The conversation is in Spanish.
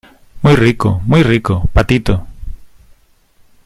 muy rico, muy rico , patito.